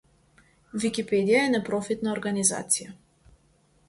Википедија е непрофитна организација.